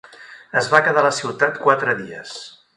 Es va quedar a la ciutat quatre dies.